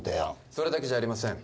それだけじゃありません